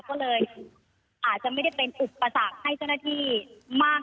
ก็เลยอาจจะไม่ได้เป็นอุปสรรคให้เจ้าหน้าที่มาก